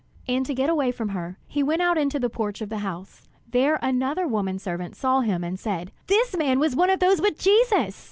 And to get away from her, he went out into the porch of the house. There another woman servant saw him and said: "This man was one of those with Jesus!"